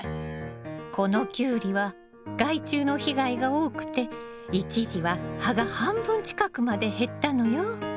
このキュウリは害虫の被害が多くて一時は葉が半分近くまで減ったのよ。